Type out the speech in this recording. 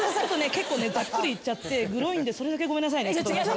結構ねざっくりいっちゃってグロいんでそれだけごめんなさいね。